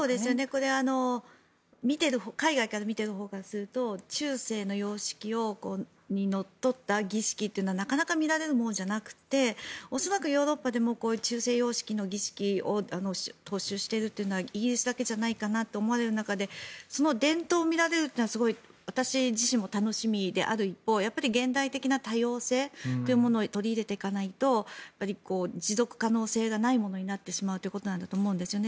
これは海外から見ているほうからすると中世の様式にのっとった儀式というのはなかなか見られるものじゃなくて恐らくヨーロッパでもこういう中世様式の儀式を踏襲しているというのはイギリスだけじゃないかなと思われる中でその伝統を見られるというのは私自身も楽しみである一方現代的な多様性というものを取り入れていかないと持続可能性がないものになってしまうということだと思うんですね。